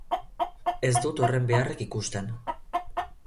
Ez dut horren beharrik ikusten.